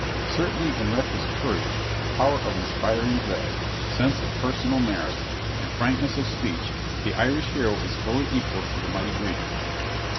Certainly in reckless courage, power of inspiring dread, sense of personal merit, and frankness of speech the Irish hero is fully equal to the mighty Greek.